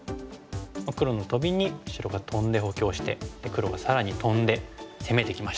黒のトビに白がトンで補強して黒が更にトンで攻めてきました。